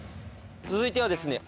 続いてはですね